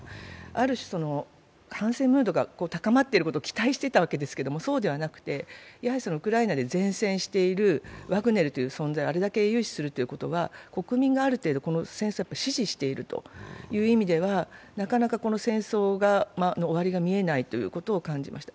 ある種、反戦ムードが高まっていることを期待していたわけですけども、そうではなくて、ウクライナで善戦しているワグネルという存在をあれだけ英雄視するということは国民がある程度、この戦争を支持していると、そういう意味ではなかなかこの戦争の終わりが見えないことを感じました。